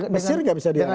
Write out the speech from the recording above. mesir nggak bisa diharapkan